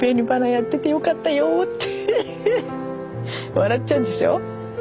笑っちゃうでしょ？